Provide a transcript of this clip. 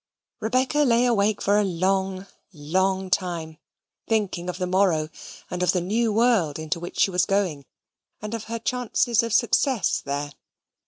Rebecca lay awake for a long, long time, thinking of the morrow, and of the new world into which she was going, and of her chances of success there.